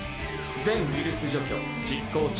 全ウイルス除去実行中。